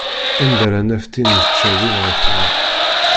Anda ara naf tin yettcabin ar tinna?